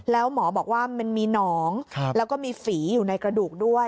แล้วหมอบอกว่ามันมีหนองแล้วก็มีฝีอยู่ในกระดูกด้วย